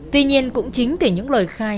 tuy nhiên cũng chính từ những lời khai